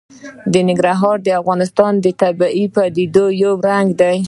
ننګرهار د افغانستان د طبیعي پدیدو یو رنګ دی.